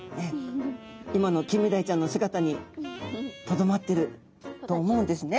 今のキンメダイちゃんの姿にとどまってると思うんですね。